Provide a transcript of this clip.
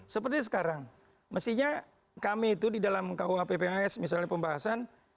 seperti sekarang mestinya kami itu di dalam kuhpps misalnya pembahasan